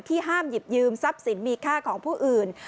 ห้ามหยิบยืมทรัพย์สินมีค่าของผู้อื่น